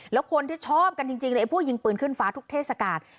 แล้วคนที่ชอบกันจริงเลยพวกยิงปืนขึ้นฟ้าทุกเทศกาล